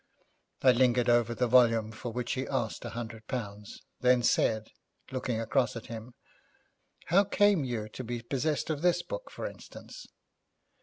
I lingered over the volume for which he asked a hundred pounds, then said, looking across at him: 'How came you to be possessed of this book, for instance?'